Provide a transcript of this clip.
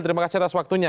terima kasih atas waktunya